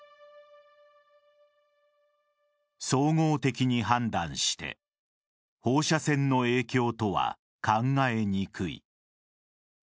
総合的に判断して、放射線の影響とは考えにくい。